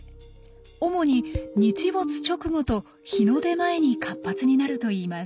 主に日没直後と日の出前に活発になるといいます。